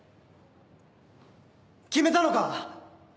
決めたのか！